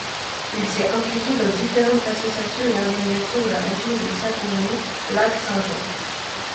Il s’est impliqué dans différentes associations et organisations de la région du Saguenay–Lac-Saint-Jean.